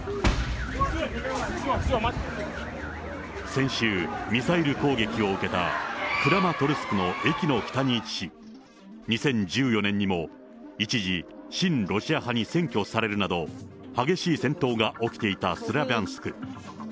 先週、ミサイル攻撃を受けた、クラマトルスクの駅の北に位置し、２０１４年にも一時親ロシア派に占拠されるなど、激しい戦闘が起きていたスラビャンスク。